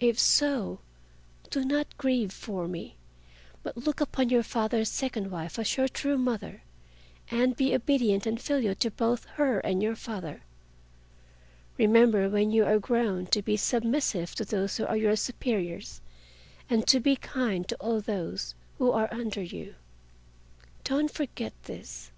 If so do not grieve for me, but look upon your father's second wife as your true mother, and be obedient and filial to both her and your father. Remember when you are grown up to be submissive to those who are your superiors, and to be kind to all those who are under you. Don't forget this.